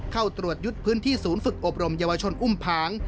เข้าตรวจยึดพื้นที่ศูนย์ฝึกอบรมเยาวชนอุ้มผาง